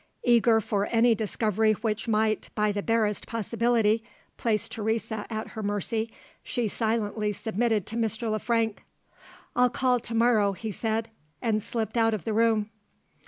Eager for any discovery which might, by the barest possibility, place Teresa at her mercy, she silently submitted to Mr. Le Frank. "I'll call to morrow," he said and slipped out of the room.